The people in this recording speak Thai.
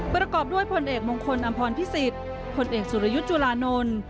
ประกอบด้วยพลเอกมงคลอำพรพิสิทธิ์พลเอกสุรยุทธ์จุลานนท์